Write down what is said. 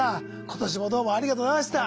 今年もどうもありがとうございました。